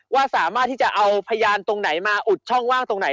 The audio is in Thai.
ว่าสามารถที่จะเอาพยานตรงไหนมาอุดช่องว่างตรงไหน